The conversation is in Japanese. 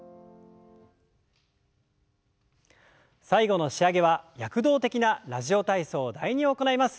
最後の仕上げは躍動的な「ラジオ体操第２」を行います。